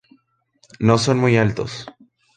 No son muy altos.